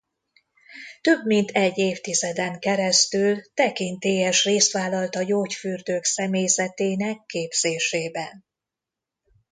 Több mint egy évtizeden keresztül tekintélyes részt vállalt a gyógyfürdők személyzetének képzésében.